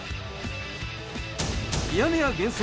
ミヤネ屋厳選！